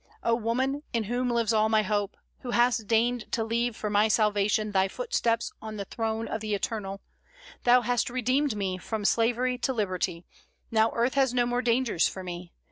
O woman, in whom lives all my hope, who hast deigned to leave for my salvation thy footsteps on the throne of the Eternal, thou hast redeemed me from slavery to liberty; now earth has no more dangers for me.